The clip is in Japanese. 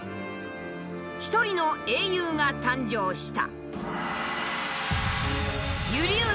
一人の英雄が誕生した。